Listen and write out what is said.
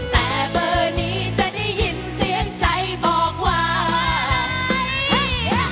แต่เบอร์นี้จะได้ยินเสียงใจบอกว่า